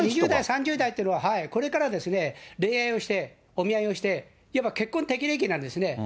２０代、３０代っていうのは、これから恋愛をして、お見合いをして、いわゆる結婚適齢期なんですね。